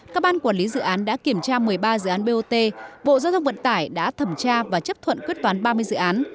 các ban quản lý dự án đã kiểm tra một mươi ba dự án bot bộ giao thông vận tải đã thẩm tra và chấp thuận quyết toán ba mươi dự án